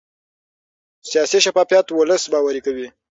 سیاسي شفافیت ولس باوري کوي